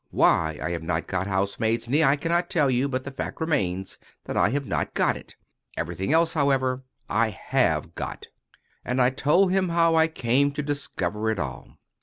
Why I have not got housemaid's knee, I cannot tell you; but the fact remains that I have not got it. Everything else, however, I have got." And I told him how I came to discover it all.